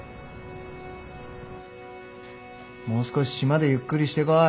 もう少し島でゆっくりしてこい。